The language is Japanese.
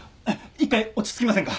一回落ち着きませんか？